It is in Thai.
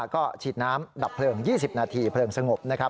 ก็ฉีดน้ำดับเพลิง๒๐นาทีเพลิงสงบนะครับ